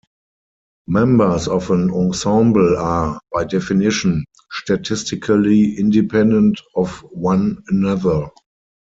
Members of an ensemble are, by definition, statistically independent of one another.